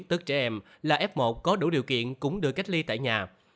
tức trẻ em là f một có đủ điều kiện cũng được cách ly tại nhà